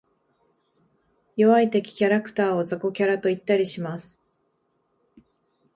弱い敵キャラクターを雑魚キャラと言ったりします。